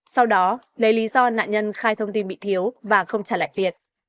sau đó lấy lý do nạn nhân khai thông tin bị thiếu và không trả lại tiền